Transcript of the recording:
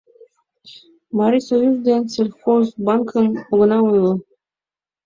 Марисоюз ден Сельхозбанкым огына ойло.